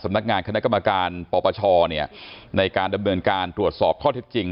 นักงานคณะกรรมการปปชในการดำเนินการตรวจสอบข้อเท็จจริง